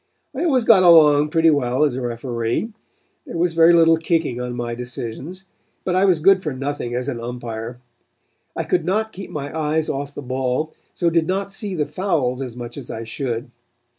I always got along pretty well as a referee. There was very little kicking on my decisions. But I was good for nothing as an umpire. I could not keep my eyes off the ball, so did not see the fouls as much as I should.